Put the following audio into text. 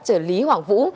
trở lý hoàng vũ